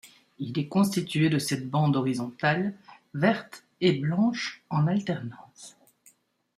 Il est constitué de sept bandes horizontales, vertes et blanches en alternance.